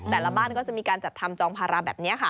แต่ละบ้านก็จะมีการจัดทำจองภาระแบบนี้ค่ะ